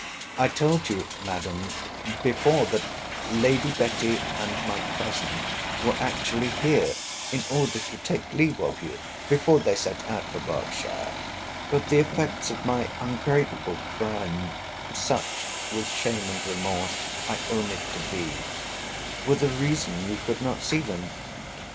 I told you, Madam, before that Lady Betty and my cousin were actually here, in order to take leave of you, before they set out for Berkshire: but the effects of my ungrateful crime, (such, with shame and remorse, I own it to be,) were the reason you could not see them.